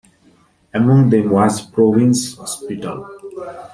Among them was Providence Hospital.